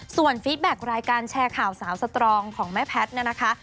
ส่วนฟีดแบ็ครายการแชร์ข่าวสาวสตรองของแม่แพทย์เนี่ยนะคะ